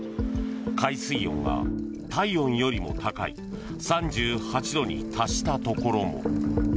海水温が体温よりも高い３８度に達したところも。